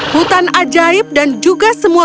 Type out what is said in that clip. hutan ajaib dan juga semua